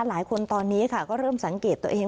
หลายคนตอนนี้ค่ะก็เริ่มสังเกตตัวเอง